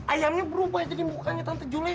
ayamnya berubah jadi mukanya tante juleha